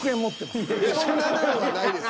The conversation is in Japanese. そんなルールはないです。